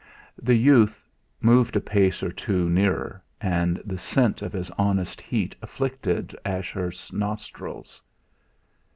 The youth moved a pace or two nearer, and the scent of his honest heat afflicted Ashurst's nostrils.